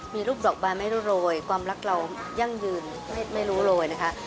มีรูปดอกบานไม่รู้โรยความรักเรายั่งยืนไม่รู้โรยนะคะ